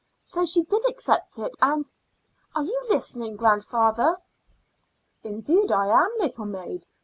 So she did accept it, and Are you listening, grandfather?" "Indeed I am, little maid.